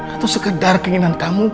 atau sekedar keinginan kamu